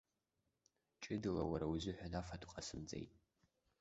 Ҷыдала уара узыҳәан афатә ҟасымҵеит.